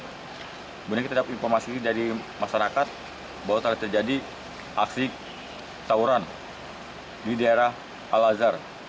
kemudian kita dapat informasi dari masyarakat bahwa telah terjadi aksi tawuran di daerah al azhar